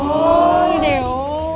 oh di do